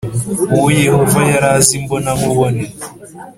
uwo Yehova yari azi imbonankubone,